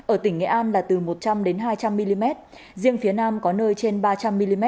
ở tỉnh nghệ an là từ một trăm linh hai trăm linh mm riêng phía nam có nơi trên ba trăm linh mm